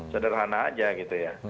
sederhana aja gitu ya